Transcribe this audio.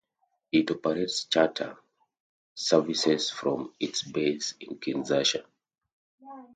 It operates charter services from its base in Kinshasa.